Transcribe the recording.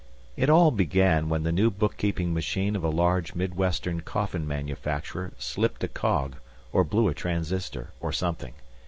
It all began when the new bookkeeping machine of a large Midwestern coffin manufacturer slipped a cog, or blew a transistor, or something.